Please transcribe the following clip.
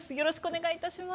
よろしくお願いします。